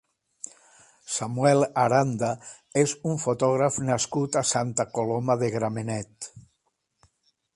Samuel Aranda és un fotògraf nascut a Santa Coloma de Gramenet.